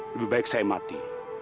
lebih baik saya mati